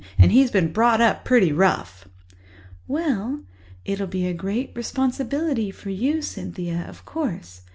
And he's been brought up pretty rough." "Well, it'll be a great responsibility for you, Cynthia, of course.